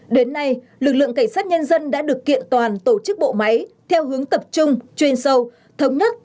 đến nay lực lượng cảnh sát nhân dân đã được kiện toàn tổ chức bộ máy theo hướng tập trung chuyên sâu thống nhất